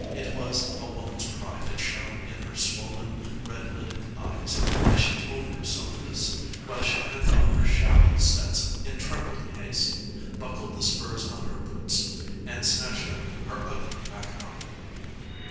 It was a woman's pride that shone in her swollen red lidded eyes as she told herself this, while she pinned on her shabby Stetson in trembling haste, buckled the spurs on her boots and snatched up her ugly mackinaw.